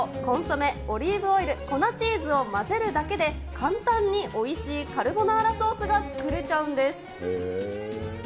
卵、コンソメ、オリーブオイル、粉チーズを混ぜるだけで、簡単においしいカルボナーラソースが作れちゃうんです。